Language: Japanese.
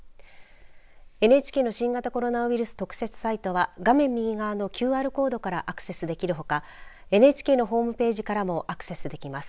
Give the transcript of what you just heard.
ＮＨＫの新型コロナウイルス特設サイトは画面右側のＱＲコードからアクセスできるほかＮＨＫのホームページからもアクセスできます。